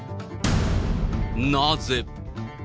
なぜ。